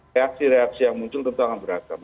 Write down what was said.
reaksi reaksi yang muncul tentu akan beragam